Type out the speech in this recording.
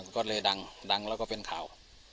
ก็เลยดังแล้วก็เป็นข่าว